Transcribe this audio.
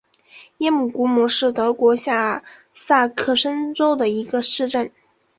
耶姆古姆是德国下萨克森州的一个市镇。